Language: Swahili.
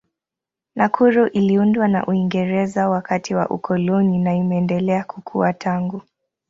Nakuru iliundwa na Uingereza wakati wa ukoloni na imeendelea kukua tangu.